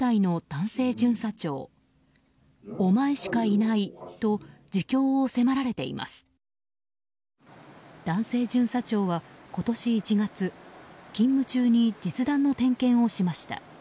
男性巡査長は今年１月勤務中に実弾の点検をしました。